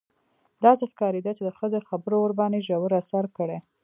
داسې ښکارېده چې د ښځې خبرو ورباندې ژور اثر کړی.